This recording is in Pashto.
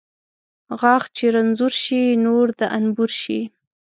غاښ چې رنځور شي ، نور د انبور شي .